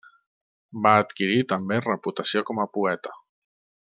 Va adquirir també reputació com a poeta.